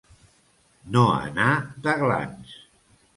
No anar d'aglans.